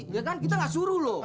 ya kan kita nggak suruh loh